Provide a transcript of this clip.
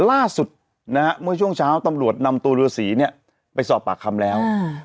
ล่าสุดเมื่อช่วงเช้าตำรวจนำตัวรื้อสีไปสอบปากคำแล้ว